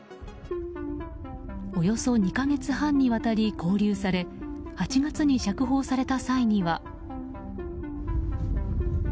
およそ２か月半にわたり勾留され８月に釈放された際には。